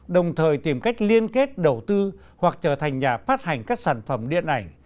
đồng thời tìm cách liên kết đầu tư hoặc trở thành nhà phát hành các sản phẩm điện ảnh